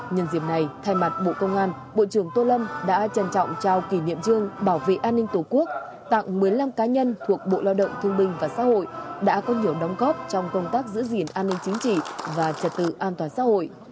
nhân dịp này thay mặt bộ công an bộ trưởng tô lâm đã trân trọng trao kỷ niệm trương bảo vệ an ninh tổ quốc tặng một mươi năm cá nhân thuộc bộ lao động thương binh và xã hội đã có nhiều đóng góp trong công tác giữ gìn an ninh chính trị và trật tự an toàn xã hội